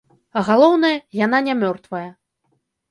А галоўнае, яна не мёртвая.